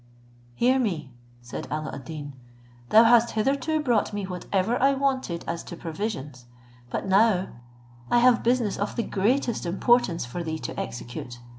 "Hear me," said Alla ad Deen; "thou hast hitherto brought me whatever I wanted as to provisions; but now I have business of the greatest importance for thee to execute.